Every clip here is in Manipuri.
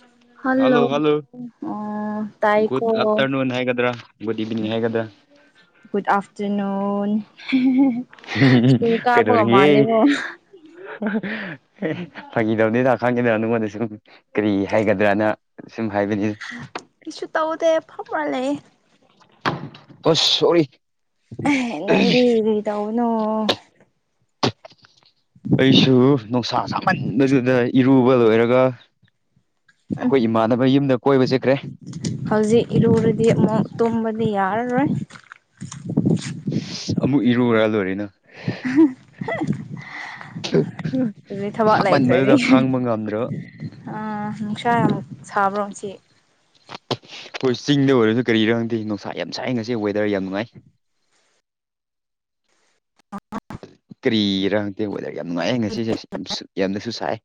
ꯎꯝ ꯍꯜꯂꯣ ꯍꯜꯂꯣ ꯑꯣ ꯒꯨꯠ ꯇꯥꯏꯀꯣ ꯑꯐꯇ꯭ꯔꯅꯨꯟ ꯍꯥꯏꯒꯗ꯭ꯔꯥ ꯒꯨꯠ ꯏꯚꯤꯅꯤꯡ ꯍꯥꯏꯒꯗ꯭ꯔ ꯒꯨꯠꯑꯐꯇ꯭ꯔꯅꯟ [unintelligible] ꯁꯀꯨꯜ ꯀꯕꯒ ꯃꯥꯂꯦꯀꯣ [unintelligible] ꯐꯥꯒꯤꯗꯧꯅꯤꯗ ꯈꯪꯗꯦꯅꯥ ꯅꯪꯉꯣꯟꯗ ꯁꯨꯝ ꯀꯔꯤ ꯍꯥꯏꯒꯗ꯭ꯔꯅ ꯁꯨꯝ ꯍꯥꯏꯕꯅꯤ ꯀꯩꯁꯨ ꯇꯧꯗꯦ ꯐꯝꯔ ꯂꯩꯌꯦ ꯑꯁ ꯑꯣꯏ [unintelligible] ꯅꯪꯗꯤ ꯀ꯭ꯔꯤ ꯇꯧꯕꯅꯣ ꯑꯩꯁꯨ ꯅꯨꯡꯁꯥ ꯁꯥꯃꯟꯕꯗꯨꯗ ꯏꯔꯨꯕ ꯂꯣꯏꯔꯒ ꯎꯝ ꯑꯩꯈꯣꯏ ꯏꯃꯥꯟꯅꯕ ꯌꯨꯝꯗ ꯀꯣꯏꯕ ꯆꯠꯈ꯭ꯔꯦ ꯍꯧꯖꯤꯛ ꯏꯔꯨꯔꯗꯤ ꯑꯃꯨꯛ ꯇꯨꯝꯕꯗꯤ ꯌꯥꯔꯔꯣꯏ ꯑꯃꯨꯛ ꯏꯔꯨꯨꯔ ꯂꯣꯏꯔꯦꯅ [unintelligible] ꯑꯗꯨꯗꯤ [unintelligible] ꯁꯥꯃꯟꯕꯗꯨꯗ ꯈꯥꯡꯕ ꯉꯝꯗ꯭ꯔꯕ ꯑ ꯅꯨꯡꯁꯥ ꯑꯃꯨꯛ ꯁꯥꯕ꯭ꯔꯣ ꯉꯥꯁꯤ ꯑꯩꯈꯣꯏ ꯆꯤꯡꯗ ꯑꯣꯏꯔꯁꯨ ꯀꯔꯤꯔ ꯈꯪꯗꯦ ꯅꯨꯡꯁꯥ ꯌꯥꯝ ꯁꯥꯏ ꯉꯥꯁꯤ ꯋꯦꯗ꯭ꯔ ꯌꯥꯝ ꯅꯨꯡꯉꯥꯏ [unintelligible] ꯀꯔꯤꯔ ꯈꯪꯗꯦ ꯋꯦꯗꯔ ꯌꯥꯝ ꯅꯨꯡꯉꯥꯏꯌꯦ ꯉꯁꯤꯁꯦ ꯌꯥꯝ ꯌꯥꯝꯅꯁꯨ ꯁꯥꯏ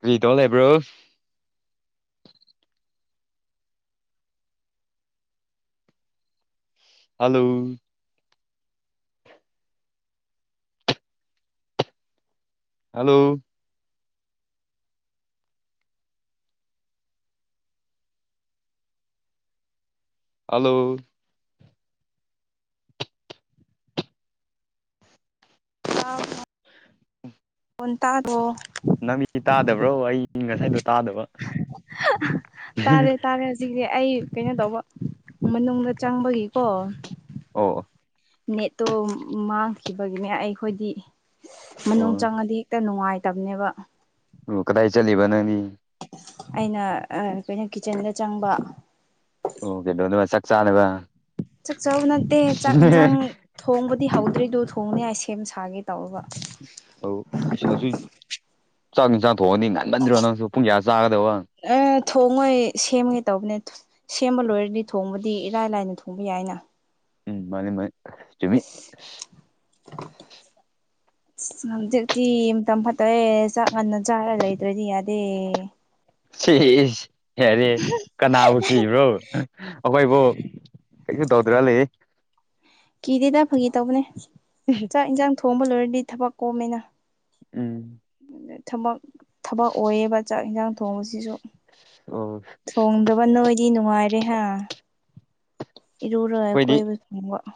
ꯀꯔꯤ ꯇꯧꯔ ꯂꯩꯕ꯭ꯔꯣ ꯍꯜꯂꯣ ꯍꯜꯂꯣ ꯍꯜꯂꯣ [unintelligible] [unintelligible] ꯇꯗ꯭ꯔꯣ ꯅꯥꯃꯤꯠꯇꯤ ꯇꯥꯗꯕ꯭ꯔꯣ ꯑꯩ ꯉꯥꯁꯥꯏꯗꯣ ꯇꯥꯗꯕ ꯍꯧꯖꯤꯛꯗꯤ ꯑꯩ ꯀꯩꯅꯣ ꯇꯧꯕ ꯃꯅꯨꯡꯗ ꯆꯪꯕꯒꯤꯀꯣ ꯑꯣ ꯅꯦꯠꯇꯣ ꯃꯥꯡꯈꯤꯕꯒꯤꯅꯦ ꯑꯩꯈꯣꯏꯗꯤ ꯃꯅꯨꯡ ꯑꯣ ꯆꯪꯉꯥꯗꯤ ꯍꯦꯛꯇ ꯅꯨꯡꯉꯥꯏꯠ ꯇꯥꯕꯅꯦꯕ ꯑꯣ ꯀꯗꯥꯏ ꯆꯂꯤꯕ ꯅꯪꯗꯤ ꯑꯩꯅ ꯑꯥ ꯀꯩꯅꯣ ꯀꯤꯠꯆꯟꯗ ꯆꯪꯕ ꯑꯣ ꯀꯩꯗꯧꯅꯕ ꯆꯥꯛ ꯆꯥꯥꯅꯕ ꯆꯥꯛ ꯆꯥꯕ ꯅꯠꯇꯦ ꯆꯥꯛ ꯏꯟꯖꯥꯡ ꯊꯣꯡꯕꯗꯤ ꯍꯧꯗ꯭ꯔꯤꯗꯣ ꯊꯣꯡꯅꯤꯡ ꯍꯥꯏ ꯁꯦꯝ ꯁꯥꯒꯦ ꯇꯧꯔꯕ ꯑꯧ ꯏꯁ ꯍꯧꯖꯤꯛ ꯆꯥꯛ ꯏꯟꯁꯥꯡ ꯊꯣꯛꯉꯥꯗꯤ ꯉꯟꯃꯟꯗ꯭ꯔꯣ ꯅꯪꯁꯨ ꯄꯨꯡ ꯀꯌꯥꯗ ꯆꯥꯒꯗꯕ ꯑ ꯊꯣꯡꯉꯣꯏ ꯁꯦꯝꯒꯦ ꯇꯧꯕꯅꯦ ꯁꯦꯝꯕ ꯂꯣꯏꯔꯗꯤ ꯊꯣꯡꯕꯗꯤ ꯏꯔꯥꯏ ꯂꯥꯏꯅ ꯊꯣꯡ ꯊꯣꯡꯕ ꯌꯥꯏꯅ ꯎꯝ ꯃꯥꯅꯤ ꯃꯥꯅꯤ ꯆꯨꯝꯃꯤ [unintelligible] ꯇꯤ ꯃꯇꯝ ꯐꯠꯇꯔꯦ ꯆꯥꯛ ꯉꯟꯅ ꯆꯥꯔ ꯂꯩꯇ꯭ꯔꯗꯤ ꯌꯥꯗꯦ ꯁꯤꯏꯁ ꯌꯥꯔꯦ ꯀꯅꯥꯕꯨ ꯀꯤꯕ꯭ꯔꯣ ꯑꯩꯈꯣꯏꯕꯨ ꯀꯩꯁꯨ ꯇꯧꯗ꯭ꯔꯥ ꯂꯩꯌꯦ ꯀꯤꯗꯦꯗ ꯐꯪꯒꯤ ꯇꯧꯕꯅꯦ ꯆꯥꯛ ꯏꯟꯁꯥꯡ ꯊꯣꯡꯕ ꯂꯣꯏꯔꯗꯤ ꯊꯕꯛ ꯀꯣꯝꯃꯦꯅ ꯎꯝ ꯊꯕꯛ ꯊꯕꯛ ꯑꯣꯏꯌꯦꯕ ꯆꯥꯛ ꯍꯤꯟꯖꯥꯡ ꯊꯣꯡꯕꯁꯤꯁꯨ ꯑꯣ ꯊꯣꯡꯗꯕ ꯅꯣꯏꯗꯤ ꯅꯨꯡꯉꯥꯏꯔꯦ ꯍꯥ ꯏꯔꯨꯔ ꯑꯩꯈꯣꯏꯗꯤ ꯀꯣꯏꯕ [unintelligible]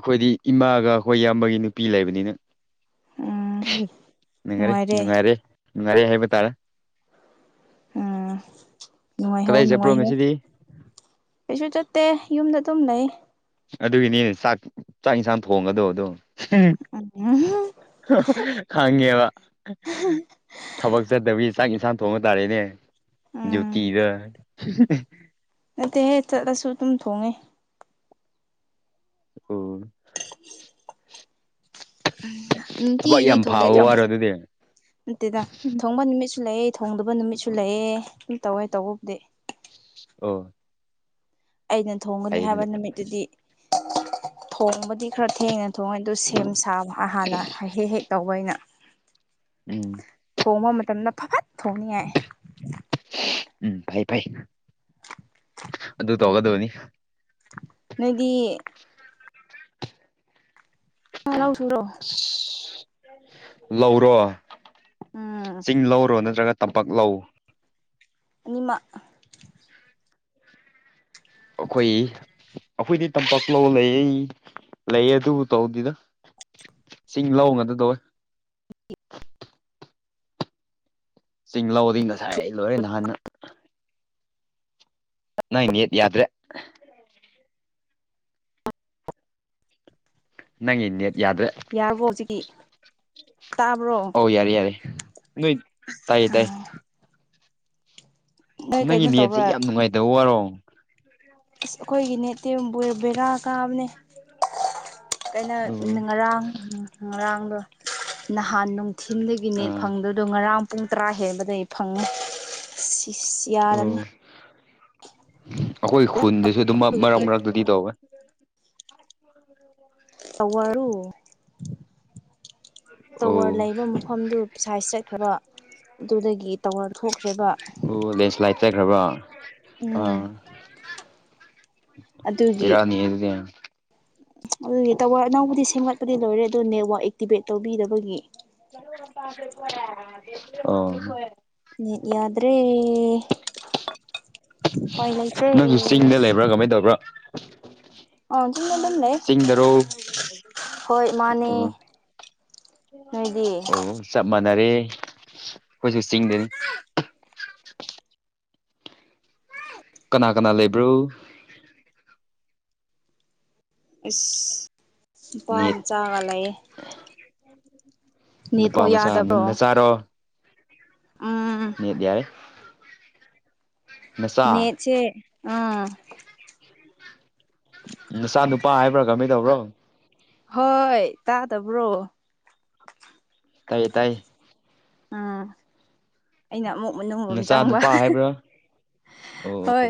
ꯑꯩꯈꯣꯏꯗꯤ ꯏꯃꯥꯒ ꯑꯩꯈꯣꯏ ꯏꯌꯥꯝꯕꯒꯤ ꯅꯨꯄꯤ ꯂꯩꯕꯅꯤꯅ ꯎꯝ ꯅꯨꯡꯉꯥꯏꯔꯦ ꯅꯨꯡꯉꯥꯏꯔꯦ ꯅꯨꯡꯉꯥꯏꯔꯦ ꯍꯥꯏꯕ ꯇꯥꯔꯦ ꯎꯝ ꯅꯨꯡꯉꯥꯏꯍꯧ ꯀꯗꯥꯏ ꯆꯠꯄ꯭ꯔꯣ ꯅꯨꯡꯉꯥꯏꯍꯧ ꯉꯁꯤꯗꯤ ꯀꯩꯁꯨ ꯆꯠꯇꯦ ꯌꯨꯝꯗ ꯑꯗꯨꯝ ꯂꯩ ꯑꯗꯨꯒꯤꯅꯦ ꯆꯥꯛ ꯆꯥꯛ ꯏꯟꯁꯥꯡ ꯊꯣꯡꯒꯗꯣ ꯑꯗꯨꯝ ꯎꯝ ꯈꯪꯉꯦꯕ ꯊꯕꯛ ꯆꯠꯇꯒꯤ ꯆꯥꯛ ꯏꯟꯁꯥꯡ ꯊꯣꯡꯕ ꯇꯥꯔꯦꯅꯦ ꯎꯝ ꯗ꯭ꯌꯨꯇꯤꯗꯣ ꯅꯠꯇꯦꯍꯦ ꯆꯠꯂꯁꯨ ꯑꯗꯨꯝ ꯊꯣꯡꯉꯦ ꯑꯣ ꯊꯕꯛ ꯅꯨꯡꯇꯤꯒꯤꯗꯤ ꯌꯥꯝ ꯐꯕ ꯊꯣꯡꯗꯦꯗ ꯋꯥꯔꯣ ꯑꯗꯨꯗꯤ ꯅꯠꯇꯦꯗ ꯊꯣꯡꯕ ꯅꯨꯃꯤꯠꯁꯨ ꯂꯩ ꯊꯣꯡꯗꯕ ꯅꯨꯃꯤꯠꯁꯨ ꯂꯩꯌꯦ ꯁꯨꯝ ꯇꯧꯋꯦ ꯇꯧꯕꯕꯨꯗꯤ ꯑꯣ ꯑꯩꯅ ꯊꯣꯡꯒꯅꯤ ꯐꯩ ꯍꯥꯏꯕ ꯑꯗꯨꯗꯤ ꯅꯨꯃꯤꯠ ꯇꯨꯗꯤ ꯊꯣꯡꯕꯗꯤ ꯈꯔ ꯊꯦꯡꯅ ꯊꯣꯡꯉꯦ ꯑꯗꯨ ꯁꯦꯝ ꯁꯥꯕ ꯍꯥꯟꯅ ꯍꯦꯛ ꯍꯦꯛ ꯇꯧꯕ ꯑꯩꯅ ꯎꯝ ꯊꯣꯡꯕ ꯃꯇꯝꯗ ꯐꯠ ꯊꯣꯡꯅꯤꯡꯉꯥꯏ ꯎꯝ ꯐꯩ ꯐꯩ ꯑꯗꯨ ꯇꯧꯒꯗꯕꯅꯤ ꯅꯣꯏꯗꯤ ꯑꯥ ꯂꯧꯁꯨꯕ꯭ꯔꯣ ꯑꯁ ꯂꯧꯔꯣ ꯎꯝ ꯆꯤꯡ ꯂꯧꯔꯣ ꯅꯠꯇ꯭ꯔꯒ ꯇꯝꯄꯥꯛ ꯂꯧ ꯑꯅꯤꯃꯛ ꯑꯈꯣꯏ ꯑꯈꯣꯏꯗꯤ ꯇꯝꯄꯥꯛ ꯂꯧ ꯂꯩ ꯂꯩ ꯑꯗꯨꯕꯨ ꯇꯧꯗꯦꯗ ꯆꯤꯡ ꯂꯧ ꯉꯥꯛꯇ ꯇꯧꯋꯦ ꯆꯤꯡ ꯂꯧꯗꯤ ꯉꯁꯥꯏ ꯂꯣꯏꯔꯦ ꯅꯍꯥꯟꯅ ꯅꯥꯏꯅꯦꯠ ꯌꯥꯗ꯭ꯔꯦ ꯅꯪꯒꯤ ꯅꯦꯠ ꯌꯥꯗ꯭ꯔꯦ ꯌꯥꯔꯕꯣ ꯍꯧꯖꯤꯛ ꯑꯣ ꯌꯥꯔꯦ ꯌꯥꯔꯦ ꯅꯣꯏ ꯇꯥꯏꯌꯦ ꯇꯥꯏꯌꯦ ꯅꯣꯏ ꯅꯪꯒꯤ ꯀꯩꯅꯣ ꯅꯦꯠꯁꯦ ꯇꯧꯕ꯭ꯔꯥ ꯌꯥꯝ ꯅꯨꯡꯉꯥꯏꯇꯕ ꯋꯥꯔꯣ ꯏꯁ ꯑꯈꯣꯏꯒꯤ ꯅꯦꯠꯇꯤ ꯕꯣꯏ ꯕꯦꯔꯥ ꯀꯥꯕꯅꯦ ꯑꯣ ꯀꯩꯅꯣ ꯉꯔꯥꯡ ꯉꯔꯥꯡꯗꯣ ꯅꯍꯥꯟ ꯅꯨꯡꯊꯤꯟꯗꯒꯤ ꯅꯦꯠ ꯑꯥ ꯐꯪꯗꯥ ꯗꯨ ꯉꯔꯥꯡ ꯄꯨꯡ ꯇꯔꯥ ꯍꯦꯟꯕꯗꯩ ꯐꯪꯉꯦ ꯁꯤ ꯌꯥꯔꯅꯤ ꯑꯈꯣꯏ ꯈꯨꯟꯗꯁꯨ ꯑꯗꯨꯝ ꯃꯔꯛ ꯃꯔꯛꯇꯗꯤ ꯇꯧꯋꯦ ꯇꯋꯥꯔꯗꯨ ꯇꯋꯥꯔ ꯑꯣ ꯂꯩꯕ ꯃꯐꯝꯗꯨ ꯁꯥꯏꯖ ꯆꯠꯈ꯭ꯔꯕ ꯑꯗꯨꯗꯒꯤ ꯇꯧꯋꯥꯔ ꯊꯣꯛꯈ꯭ꯔꯦꯕ ꯑꯣ ꯂꯦꯟꯁ꯭ꯂꯥꯏꯠ ꯎꯝ ꯑꯗꯨꯒꯤ ꯕꯦꯔꯥꯅꯤꯍꯦ ꯑꯗꯨꯗꯤ ꯑꯗꯨꯒꯤ ꯇꯋꯥꯔ ꯑꯅꯧꯕꯗꯤ ꯁꯦꯝꯒꯠꯄꯗꯤ ꯂꯣꯏꯔꯦ ꯑꯗꯨ ꯅꯦꯠꯋꯥꯛ ꯑꯦꯛꯇꯤꯚꯦꯠ ꯇꯧꯕꯤꯗꯕꯒꯤ ꯑꯣ ꯅꯦꯠ ꯌꯥꯗ꯭ꯔꯦ ꯎꯄꯥꯏ ꯂꯩꯇ꯭ꯔꯦ ꯀꯃꯥꯏ ꯇꯧꯕ꯭ꯔꯥ ꯑꯥ ꯆꯨꯝꯅ ꯑꯗꯨꯝ ꯂꯩ ꯆꯤꯡꯗꯔꯣ ꯑ ꯍꯣꯏ ꯃꯥꯅꯦ ꯅꯣꯏꯗꯤ ꯑꯣ ꯆꯞ ꯃꯅꯔꯦ ꯀꯣꯏꯁꯨ ꯆꯤꯡꯗꯅꯤ ꯀꯅꯥ ꯀꯅꯥ ꯂꯩꯕ꯭ꯔꯣ ꯏꯁ ꯅꯨꯄꯥ ꯅꯦꯠ ꯃꯆꯥꯒꯥ ꯂꯩꯌꯦ ꯅꯨꯄꯥ ꯅꯦꯠꯃꯨꯛ ꯃꯆꯥ ꯅ ꯌꯥꯗꯕ꯭ꯔꯣ ꯅꯆꯥꯔꯣ ꯎꯝ ꯅꯦꯠ ꯌꯥꯢ ꯅꯆꯥ ꯅꯦꯠꯁꯦ ꯑꯥ ꯅꯆꯥ ꯅꯨꯄꯥ ꯍꯥꯏꯕ꯭ꯔꯥ ꯀꯃꯥꯏ ꯇꯧꯕ꯭ꯔꯣ ꯍꯣꯏ ꯇꯥꯗꯕ꯭ꯔꯣ ꯇꯥꯏꯌꯦ ꯇꯥꯏ ꯑꯥ ꯑꯩꯅ ꯑꯃꯨꯛ ꯃꯅꯨꯡ ꯔꯣꯝ ꯅꯆꯥ ꯆꯪꯕ ꯅꯨꯄꯥ ꯍꯥꯏꯕ꯭ꯔꯥ ꯑꯣ ꯍꯣꯏ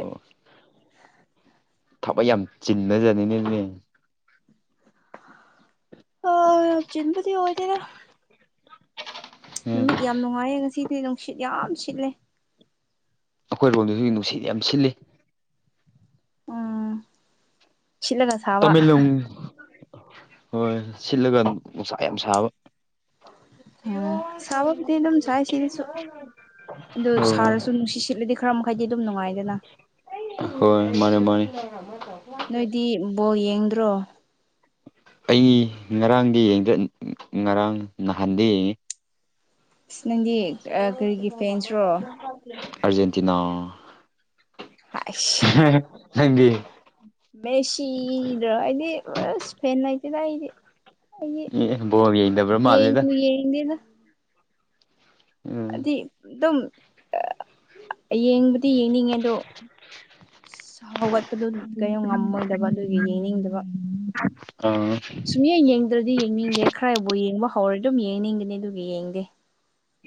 ꯊꯕꯛ ꯌꯥꯝ ꯆꯤꯟꯕꯖꯅꯤꯅꯦꯅꯦ ꯑ ꯌꯥꯝ ꯆꯤꯟꯕꯗꯤ ꯑꯣꯢꯗꯦꯗꯥ ꯎꯝ ꯅꯨꯃꯤꯠ ꯌꯥꯝ ꯅꯨꯡꯉꯥꯏꯌꯦ ꯉꯁꯤꯗꯤ ꯅꯨꯡꯁꯤꯠ ꯌꯥꯝ ꯁꯤꯠꯂꯦ ꯑꯈꯣꯏꯔꯣꯝꯗꯁꯨ ꯅꯨꯡꯁꯤꯠ ꯌꯥꯝ ꯁꯤꯠꯂꯤ ꯎꯝ ꯁꯤꯠꯂꯒ ꯁꯥꯕ ꯇꯥꯃꯦꯡꯂꯣꯡ ꯍꯣꯏ ꯁꯤꯠꯂꯒ ꯅꯨꯡꯁꯥ ꯌꯥꯝ ꯁꯥꯕ [inaudible] ꯑ ꯁꯕꯕꯨꯗꯤ ꯑꯗꯨꯝ ꯁꯥꯏ ꯁꯤꯗꯁꯨ ꯑꯗꯨ ꯎꯝ ꯁꯔꯁꯨ ꯅꯨꯡꯁꯤꯁꯤꯠꯂꯗꯤ ꯈꯔ ꯃꯈꯩꯗꯤ ꯑꯗꯨꯝ ꯅꯨꯡꯉꯥꯏꯗꯅ ꯍꯣꯏ ꯃꯥꯅꯦ ꯃꯥꯅꯤ ꯅꯣꯏꯗꯤ ꯕꯣꯜ ꯌꯦꯡꯗ꯭ꯔꯣ ꯑꯩ ꯉꯔꯥꯡꯗꯤ ꯌꯦꯡꯗꯔꯦ ꯉꯔꯥꯡ ꯅꯍꯥꯟꯗꯤ ꯌꯦꯡꯉꯤ ꯑꯁ ꯅꯪꯗꯤ ꯑ ꯀꯔꯤꯒꯤ ꯐꯦꯟꯁ꯭ꯔꯣ ꯑꯔꯖꯦꯟꯇꯤꯅꯥ ꯑꯥꯢꯁ [unintelligible] ꯃꯦꯁꯤꯗ꯭ꯔꯣ ꯑꯩꯗꯤ ꯑꯁ ꯐꯦꯟ ꯂꯩꯇꯦꯗ ꯑꯩꯗꯤ ꯑꯩꯗꯤ ꯑꯦ ꯕꯣꯜ ꯌꯡꯗꯕ꯭ꯔꯥ ꯃꯥꯜꯂꯦꯗ ꯌꯦꯡꯗꯦꯗꯥ ꯎꯝ ꯑꯗꯨꯝ ꯌꯦꯡꯕꯗꯤ ꯌꯦꯡꯅꯤꯡꯉꯦ ꯑꯗꯣ ꯍꯧꯒꯠ [inaudible] ꯁꯨꯡꯌꯦ ꯌꯦꯡꯗ꯭ꯔꯗꯤ ꯌꯦꯡꯅꯤꯡꯗꯦ ꯈꯔꯕꯨ ꯌꯦꯡꯕ ꯍꯧꯔꯗꯤ ꯑꯗꯨꯝ ꯌꯦꯡꯅꯤꯡꯒꯅꯤ ꯑꯗꯨꯒꯤ ꯌꯦꯡꯗꯦ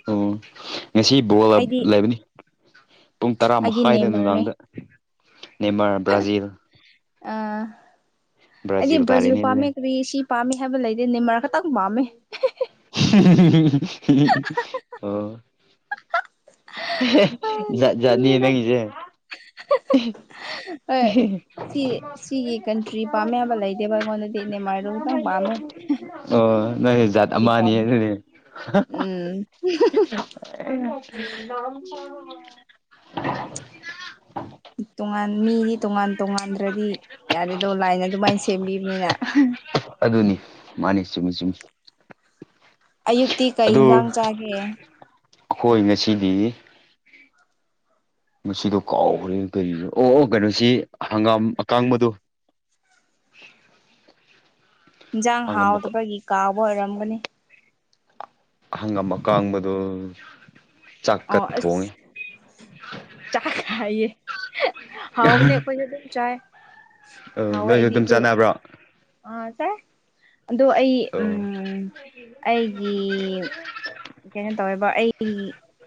ꯑꯣ ꯉꯁꯤ ꯕꯣꯜ ꯑꯩꯗꯤ ꯂꯩꯕꯅꯤ ꯄꯨꯡ ꯇꯔꯥ ꯑꯩꯒꯤ ꯃꯈꯥꯏꯗ ꯅꯦꯃꯔꯅꯦ ꯅꯨꯡꯗꯥꯡꯗ ꯅꯦꯃꯥꯔ ꯕ꯭ꯔꯥꯖꯤꯜ ꯑ ꯑꯩꯗꯤ ꯕ꯭ꯔꯥꯖꯤꯜ ꯕ꯭ꯔꯖꯤꯜ ꯇꯥꯔꯦꯅꯦ ꯑꯗꯨꯗꯤ ꯄꯥꯝꯃꯦ ꯀ꯭ꯔꯤ ꯁꯤ ꯄꯥꯝꯃꯤ ꯍꯥꯏꯕ ꯂꯩꯗꯤ ꯅꯤꯃꯔ ꯈꯇꯪ ꯄꯥꯝꯃꯤ ꯑꯣ ꯑ ꯥꯖꯥꯠ ꯖꯥꯠ ꯅꯤꯌꯦ ꯅꯣꯛꯅꯤꯡꯉꯦꯗ ꯅꯪꯒꯤꯖꯦ [inaudible] ꯍꯣꯏ ꯁꯤ ꯁꯤꯒꯤ ꯀꯟꯇ꯭ꯔꯤ ꯄꯥꯝꯃꯦ ꯍꯥꯏꯕ ꯂꯩꯇꯦꯕ ꯑꯩꯉꯣꯟꯗꯗꯤ ꯅꯦꯃꯥꯔꯗꯨ ꯈꯇꯪ ꯄꯥꯝꯃꯦ ꯑꯣ ꯅꯣꯏꯖꯥꯠ ꯑꯗꯨꯗꯤ ꯑꯃꯅꯤ ꯄꯥꯝꯃꯦ ꯑꯗꯨꯅꯦ ꯎꯝ [inaudible] ꯇꯣꯉꯥꯟ ꯃꯤꯗꯤ ꯇꯣꯉꯥꯟ ꯇꯣꯉꯥꯟꯗ꯭ꯔꯗꯤ ꯌꯥꯗꯦꯗꯣ ꯂꯥꯏꯅ ꯑꯗꯨꯃꯥꯏ ꯁꯦꯝꯕꯤꯕꯅꯤꯅ ꯑꯗꯨꯅꯤ ꯃꯥꯅꯤ ꯆꯨꯝꯃꯤ ꯆꯨꯝꯃꯤ ꯑꯌꯨꯛꯇꯤ ꯀꯩ ꯍꯤꯟꯖꯥꯡ ꯆꯥꯒꯦ ꯑꯈꯣꯏ ꯉꯁꯤꯗꯤ ꯉꯁꯤꯗꯣ ꯀꯥꯎꯒ꯭ꯔꯦ ꯇꯩꯖꯤꯕꯣ ꯑꯣ ꯑꯣ ꯀꯩꯅꯣꯁꯤ ꯍꯪꯒꯥꯝ ꯑꯀꯥꯡꯕꯗꯣ ꯏꯪꯖꯥꯡ ꯍꯪꯒꯥꯝ ꯍꯥꯎꯗꯕꯒꯤ ꯀꯥꯎꯕ ꯑꯣꯏꯔꯝꯒꯅꯤ ꯍꯪꯒꯝ ꯑꯀꯥꯡꯕꯗꯣ ꯆꯥꯛꯖ ꯑꯣ ꯊꯣꯡꯉꯦ ꯑꯁ [unintelligible] ꯍꯥꯎꯕꯅꯦ ꯑꯈꯣꯢꯖꯨ ꯑꯗꯨꯝ ꯆꯥꯢ ꯑ ꯅꯣꯏꯖꯨ ꯑꯗꯨꯝ ꯆꯥꯟꯅꯕ꯭ꯔꯣ ꯑ ꯆꯥꯢ ꯑꯗꯣ ꯑꯩ ꯑꯣ ꯎꯝ ꯑꯩꯒꯤ ꯀꯩꯅꯣ ꯇꯧꯋꯦꯕ ꯑꯩꯒꯤ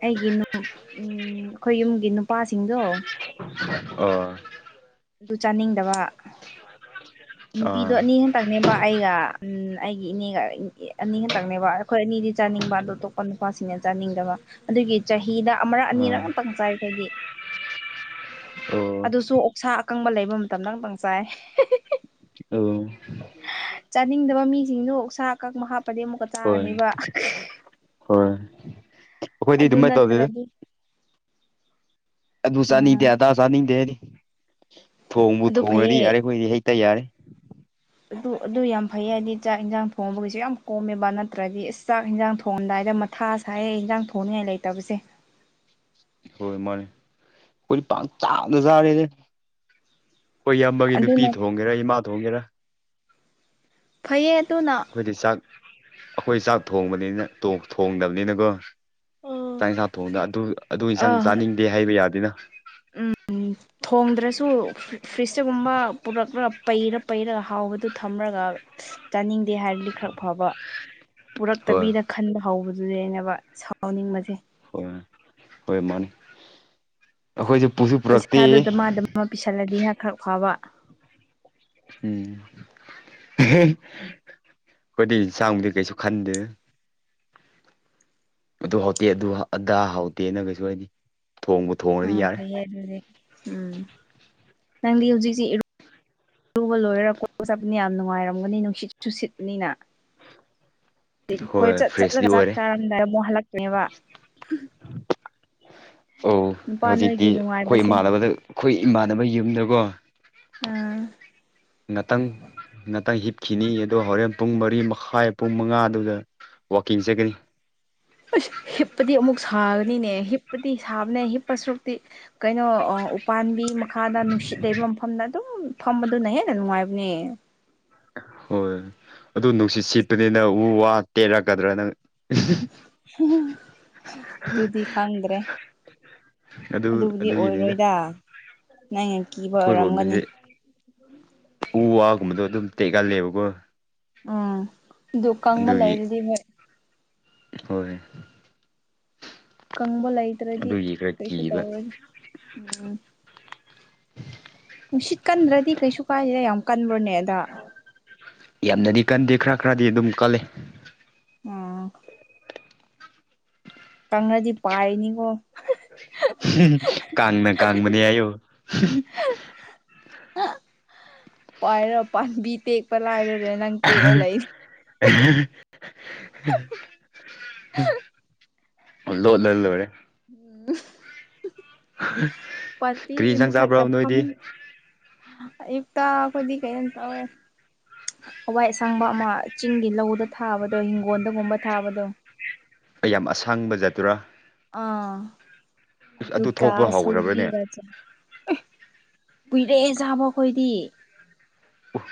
ꯑꯩꯒꯤ [unintelligible] ꯎꯝ ꯑꯈꯣꯏ ꯌꯨꯝꯒꯤ ꯄꯥꯁꯤꯡꯗꯣ ꯑꯥ ꯗꯨ ꯆꯥꯅꯤꯡꯗꯕ ꯅꯨꯄꯤꯗꯣ ꯑꯥ ꯑꯥ ꯑꯅꯤ ꯈꯇꯪꯅꯦꯕ ꯑꯩꯒ ꯎꯝ ꯑꯩꯒꯤ ꯏꯅꯦꯒ ꯑꯦ ꯑꯅꯤ ꯈꯛꯇꯪꯅꯦꯕ ꯑꯈꯣꯏ ꯑꯅꯤꯗꯤ ꯆꯥꯅꯤꯡꯕ ꯑꯗꯣ ꯑꯇꯣꯞꯄ ꯅꯨꯄꯥꯁꯤꯡꯅ ꯆꯥꯅꯤꯡꯗꯕ ꯑꯗꯨꯒꯤ ꯆꯍꯤꯗ ꯑꯃꯔꯛ ꯑꯅꯤꯔꯛ ꯑꯝꯇꯪ ꯆꯥꯏ ꯈꯣꯏꯗꯤ [inaudible] ꯑꯣ ꯑꯗꯨꯁꯨ ꯑꯣꯛꯁꯥ ꯑꯀꯪꯕ ꯂꯩꯕ ꯃꯇꯝꯗ ꯈꯛꯇꯪ ꯆꯥꯏ ꯑꯣ ꯆꯥꯅꯤꯡꯗꯕ ꯃꯤꯁꯤꯡꯗꯣ ꯑꯣꯛꯁꯥ ꯑꯀꯪꯕ ꯍꯥꯞꯄꯗꯤ ꯑꯃꯨꯛ ꯍꯣꯏ ꯍꯣꯏ ꯑꯩꯈꯣꯏꯗꯤ ꯑꯗꯨ ꯑꯗꯨꯃꯥꯏꯅ ꯇꯧꯗꯦꯗ ꯅꯠꯇ꯭ꯔꯗꯤ ꯑꯗꯨ ꯎꯝ ꯆꯥꯅꯤꯗꯦ ꯑꯗꯥ ꯆꯥꯅꯤꯗꯦ ꯑꯩꯗꯤ ꯊꯣꯡꯕꯨ ꯑꯗꯨ ꯊꯣꯡꯔꯗꯤ ꯐꯩꯌꯦ ꯌꯥꯔꯦ ꯑꯈꯣꯏꯗꯤ ꯍꯩꯇ ꯌꯥꯔꯦ ꯑꯗꯨ ꯑꯗꯨ ꯌꯥꯝ ꯐꯩꯌꯦ ꯍꯥꯏꯗꯤ ꯆꯥꯛ-ꯏꯟꯖꯥꯡ ꯊꯣꯡꯕꯒꯤꯖꯨ ꯌꯥꯝ ꯀꯣꯝꯃꯦꯕ ꯅꯠꯇ꯭ꯔꯗꯤ ꯏꯁ ꯆꯥꯛ ꯏꯟꯖꯥꯡ ꯊꯣꯡꯉꯝꯗꯥꯏꯗ ꯊꯥ ꯁꯥꯏꯌꯦ ꯏꯟꯖꯥꯡ ꯊꯣꯡꯅꯤꯉꯥꯏ ꯂꯩꯇꯕꯁꯦ ꯍꯣꯏ ꯃꯥꯟꯅꯦ ꯈꯣꯏꯗꯤ ꯄꯪ ꯆꯥꯗ ꯆꯥꯔꯦꯁꯦ ꯈꯣꯏ ꯏꯌꯥꯝꯕꯒꯤ ꯅꯨꯄꯤ ꯑꯗꯨꯅ ꯊꯣꯡꯒꯦꯔꯥ ꯏꯃꯥ ꯊꯣꯡꯒꯦꯔꯥ ꯐꯩꯌꯦ ꯑꯗꯨꯅ ꯑꯩꯈꯣꯏꯗꯤ ꯆꯥꯛ ꯑꯩꯈꯣꯏ ꯆꯥꯛ ꯊꯣꯡꯕꯅꯤꯅ ꯇꯣꯛ ꯊꯣꯡꯗꯕꯅꯤꯅꯀꯣ ꯆꯥꯛ ꯏꯟꯁꯥꯡ ꯊꯣꯡꯗ ꯑꯗꯨ ꯑꯗꯨ ꯑ ꯏꯟꯁꯥꯡ ꯎꯝ ꯆꯥꯅꯤꯡꯗꯦ ꯍꯥꯏꯕ ꯌꯥꯗꯦꯅ ꯊꯣꯡꯗ꯭ꯔꯁꯨ ꯐ꯭ꯔꯤꯖꯇꯒꯨꯝꯕ ꯄꯨꯔꯛꯂ ꯄꯩꯔ ꯄꯩꯔꯒ ꯍꯥꯎꯕꯗꯨ ꯊꯝꯔꯒ ꯆꯥꯅꯤꯡꯗꯦ ꯍꯥꯏꯔꯗꯤ ꯈꯔ ꯐꯕ ꯍꯣꯏ ꯄꯨꯔꯛꯇꯕꯤꯗ ꯈꯟꯕ ꯍꯧꯕꯗꯨꯅꯦꯕ ꯁꯥꯎꯅꯤꯡꯕꯖꯦ ꯍꯣꯏ ꯍꯣꯏ ꯃꯥꯅꯤ ꯑꯩꯈꯣꯏꯖꯨ ꯄꯨꯖꯨ ꯄꯩꯁꯥꯗꯨ ꯙꯥꯃꯥ ꯙꯥꯃꯥ ꯄꯤꯁꯜꯂꯗꯤ ꯈꯔ ꯐꯕ ꯎꯪ ꯑꯦꯍꯦ ꯈꯣꯏꯗꯤ ꯆꯥꯡꯕꯗꯤ ꯀꯩꯁꯨ ꯈꯟꯗꯦ ꯑꯗꯨ ꯍꯥꯎꯇꯦ ꯑꯗꯨ- ꯑꯗꯥ ꯍꯥꯎꯇꯦꯅ ꯀꯩꯁꯨ ꯍꯥꯢꯗꯦ ꯊꯣꯡꯕ ꯑꯥ ꯐꯩꯌꯦ ꯑꯗꯨꯗꯤ ꯎꯝ ꯅꯪꯗꯤ ꯍꯧꯖꯤꯛꯁꯤ ꯏꯔꯨ ꯔꯨꯕ ꯂꯣꯏꯔ ꯀꯣꯏꯕ ꯆꯠꯄꯅꯤ ꯌꯥꯝ ꯅꯨꯡꯉꯥꯏꯔꯝꯒꯅꯤ ꯅꯨꯡꯁꯤꯠꯁꯨ ꯁꯤꯠꯄꯅꯤꯅ ꯍꯣꯏ ꯀꯣꯏꯆꯠ ꯐ꯭ꯔꯦꯁꯇꯤ ꯆꯠꯂꯒ ꯆꯥꯛ ꯑꯣꯏꯔꯦ ꯆꯥꯔꯝꯗꯥꯏꯗ ꯑꯃꯨꯛ ꯍꯜꯂꯛꯄꯅꯦꯕ ꯑꯧ ꯅꯨꯄꯥ ꯅꯣꯏꯒꯤ ꯍꯧꯖꯤꯛꯇꯤ ꯑꯩꯈꯣꯏ ꯅꯨꯡꯉꯥꯏꯕꯁꯦ ꯏꯃꯥꯟꯅꯕꯗ ꯑꯩꯈꯣꯏ ꯏꯃꯥꯟꯅꯕꯩ ꯌꯨꯝꯗꯀꯣ ꯑꯥ ꯉꯇꯪ ꯉꯇꯪ ꯍꯤꯞꯈꯤꯅꯤ ꯑꯗꯣ ꯍꯣꯔꯦꯟ ꯄꯨꯡ ꯃꯔꯤ ꯃꯈꯥꯏ ꯄꯨꯡ ꯃꯉꯥꯗꯨꯗ ꯋꯥꯛꯀꯤꯡ ꯆꯠꯀꯅꯤ ꯑꯥꯁ ꯍꯤꯞꯄꯗꯤ ꯑꯃꯨꯛ ꯁꯥꯒꯅꯤꯅꯦ ꯍꯤꯞꯄꯗꯤ ꯁꯥꯕꯅꯦ ꯍꯤꯞꯄ ꯁꯔꯨꯛꯇꯤ ꯀꯩꯅꯣ ꯑꯥ ꯎꯄꯥꯥꯟꯕꯤ ꯃꯥ ꯃꯈꯥꯗ ꯅꯨꯡꯁꯤꯠ ꯂꯩꯕ ꯃꯐꯝꯗ ꯑꯗꯨꯝ ꯐꯝꯕꯗꯨꯅ ꯍꯦꯟꯅ ꯅꯨꯡꯉꯥꯏꯕꯅꯦ ꯍꯣꯏ ꯑꯗꯨ ꯅꯨꯡꯁꯤꯠ ꯁꯤꯠꯄꯅꯤꯅ ꯎ- ꯋꯥ ꯇꯦꯂꯛꯀꯗ꯭ꯔꯥꯅ ꯑꯗꯨꯗꯤ ꯈꯪꯗ꯭ꯔꯦ ꯑꯗꯨ ꯑꯗꯨꯕꯨꯗꯤ ꯑꯗꯨꯒꯤꯅꯤꯗ ꯑꯣꯏꯔꯣꯏꯗ ꯅꯪꯅ ꯀꯤꯕ ꯑꯣꯏꯔꯝꯒꯅꯤ ꯑꯩꯈꯣꯏꯔꯣꯝꯗꯗꯤ ꯎ- ꯋꯥꯒꯨꯝꯕꯗꯣ ꯑꯗꯨꯝ ꯇꯦꯛꯍꯜꯂꯦꯕꯀꯣ ꯎꯝ ꯑꯗꯨ ꯀꯪꯕ ꯑꯗꯨꯒꯤ ꯂꯩꯔꯗꯤ ꯅꯣꯏ ꯍꯣꯏ ꯀꯪꯕ ꯂꯩꯇ꯭ꯔꯗꯤ ꯑꯗꯨꯒꯤ ꯈꯔ ꯀꯩꯁꯨ ꯀꯤꯕ ꯇꯧꯔꯣꯏꯗ ꯎꯎꯪ ꯅꯨꯡꯁꯤꯠ ꯀꯟꯗ꯭ꯔꯗꯤ ꯀꯩꯁꯨ ꯀꯥꯏꯗꯦꯗ ꯌꯥꯝ ꯀꯟꯕ꯭ꯔꯣꯅꯦ ꯑꯗ ꯌꯥꯝꯅꯗꯤ ꯀꯟꯗꯦ ꯈꯔ ꯈꯔꯗꯤ ꯑꯗꯨꯝ ꯀꯜꯂꯤ ꯎꯎꯪ ꯀꯪꯉꯗꯤ ꯄꯥꯏꯅꯤꯀꯣ ꯀꯥꯡꯕꯅꯦ ꯀꯥꯡꯕꯅꯦ ꯍꯥꯢꯌ‌ꫭ ꯄꯥꯏꯔꯣ ꯄꯥꯝꯕꯤ ꯇꯦꯛꯄ ꯂꯥꯏꯔꯗ ꯅꯪ ꯇꯦꯛꯑ ꯂꯩ INAUDIBLE ꯂꯣꯠꯂ ꯂꫭꯏꯔꯦ INAUDIBLE ꯀꯔꯤ ꯄꯥꯔꯇꯤꯒꯤ ꯏꯟꯁꯥꯡ ꯃꯊꯛꯇ ꯆꯥꯕ꯭ꯔꯣ ꯐꯝ ꯅꯣꯏꯗꯤ ꯑꯌꯨꯛꯇ ꯑꯩꯈꯣꯏꯗꯤ ꯀꯩꯅꯝ ꯇꯧꯋꯦ ꯍꯋꯥꯏ ꯑꯁꯥꯡꯕ ꯑꯃ ꯆꯤꯡꯒꯤ ꯂꯧꯗ ꯊꯥꯕꯗꯣ ꯍꯤꯡꯒꯣꯜꯗꯒꯨꯝꯕ ꯊꯥꯕꯗꯣ ꯑꯩ ꯌꯥꯝ ꯑꯁꯥꯡꯕꯖꯦ ꯑꯗꯨꯔ ꯑꯥ ꯑꯗꯨ ꯑꯗꯨꯒ ꯊꯣꯛꯄ ꯍꯧꯈ꯭ꯔꯕ꯭ꯔꯅꯦ ꯁꯧꯒꯔꯤꯒ ꯆꯥꯏ ꯑꯦ ꯀꯨꯏꯔꯦ ꯆꯥꯕ ꯑꯩꯈꯣꯏꯗꯤ ꯎꯞ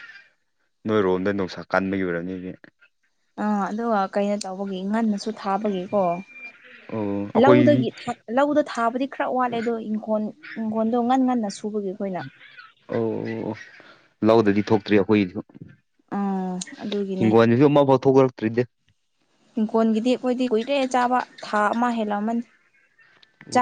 ꯅꯣꯏꯔꯣꯝꯗ ꯅꯨꯡꯁꯥ ꯀꯟꯕꯒꯤ ꯑꯣꯏꯔꯝꯅꯤ ꯑꯗꯨꯗꯤ ꯑꯥ ꯑꯗꯨꯒ ꯀꯩꯅꯣ ꯇꯧꯕꯒꯤ ꯉꯟꯅꯁꯨ ꯊꯥꯕꯒꯤꯀꯣ ꯑꯣ ꯑꯩꯈꯣꯏꯗꯤ ꯂꯧꯗꯒꯤ ꯊꯥ ꯂꯧꯗꯥ ꯊꯥꯕꯗꯤ ꯈꯔ ꯋꯥꯠꯂꯦ ꯑꯗꯣ ꯏꯪꯈꯣꯜ ꯏꯪꯈꯣꯜꯗꯣ ꯉꯟ ꯉꯟꯅ ꯁꯨꯕꯒꯤ ꯑꯩꯈꯣꯏꯅ ꯑꯣ ꯑꯣ ꯂꯧꯗꯗꯤ ꯊꯣꯛꯇ꯭ꯔꯤ ꯑꯩꯈꯣꯏꯒꯤꯁꯨ ꯑꯥ ꯑꯗꯨꯒꯤꯅꯦ ꯍꯤꯡꯒꯣꯜꯗꯁꯨ ꯑꯃꯐꯥꯎ ꯊꯣꯛꯂꯛꯇ꯭ꯔꯤꯗ ꯍꯤꯡꯈꯣꯟꯒꯤꯗꯤ ꯑꯩꯈꯣꯏꯗꯤ ꯀꯨꯏꯔꯦ ꯆꯥꯕ ꯊꯥ ꯑꯃ ꯍꯦꯜꯂꯛꯑꯃꯅꯤ